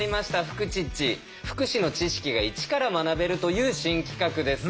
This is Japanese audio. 福祉の知識がイチから学べるという新企画です。